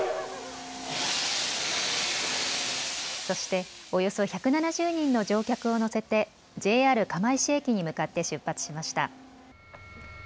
そしておよそ１７０人の乗客を乗せてＪＲ釜石駅に向かって出発しました。